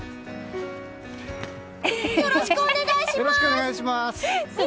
よろしくお願いします！